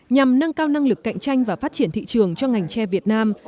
nhằm nâng cao năng lực cạnh tranh và phát triển thị trường cho ngành tre việt nam